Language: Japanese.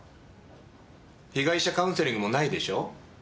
被害者カウンセリングもないでしょ？